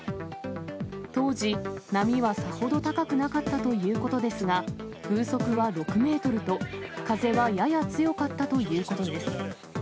当時、波はさほど高くなかったということですが、風速は６メートルと、風はやや強かったということです。